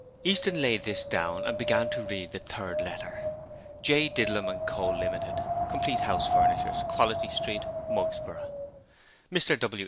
Easton laid this down and began to read the third letter J. DIDLUM & CO LTD. Complete House Furnishers QUALITY STREET, MUGSBOROUGH MR W.